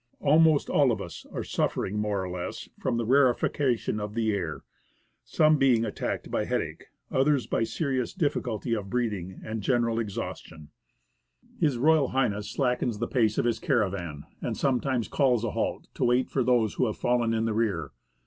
Almost all of us are suffering more or less from the rarefaction of the air, some being attacked by headache, others by serious difficulty of breathing and general exhaustion. H.R. H. slackens the pace of his caravan, and sometimes calls a halt, to wait for those who have fallen in the rear.